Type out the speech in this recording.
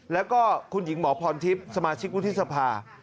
แล้วก็คุณหญิงหมอพรทิพย์สมาชิกวุฒิสภา